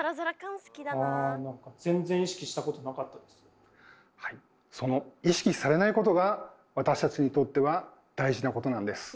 例えばはいその「意識されないこと」が私たちにとっては大事なことなんです。